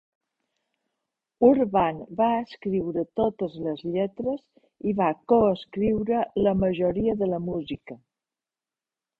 Urban va escriure totes les lletres i va coescriure la majoria de la música.